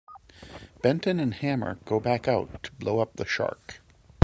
Benton and Hammer go back out to blow up the shark.